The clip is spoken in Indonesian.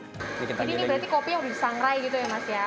jadi ini berarti kopinya udah disangrai gitu ya mas ya